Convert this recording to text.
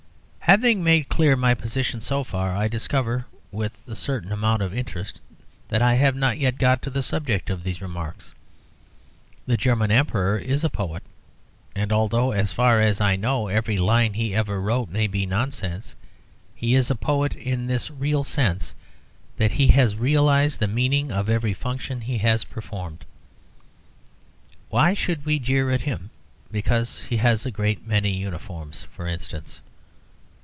Having made clear my position so far, I discover with a certain amount of interest that I have not yet got to the subject of these remarks. The German Emperor is a poet, and although, as far as I know, every line he ever wrote may be nonsense, he is a poet in this real sense, that he has realised the meaning of every function he has performed. Why should we jeer at him because he has a great many uniforms, for instance?